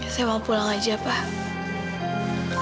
saya mau pulang aja pak